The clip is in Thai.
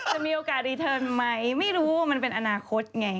จะมีโอกาสรีเทิร์นไหมไม่รู้ว่ามันเป็นอนาคตไง